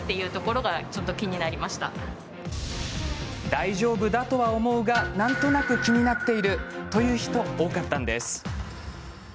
大丈夫だとは思うがなんとなく気になっているという人、多くいました。